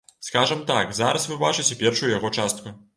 Скажам так, зараз вы бачыце першую яго частку.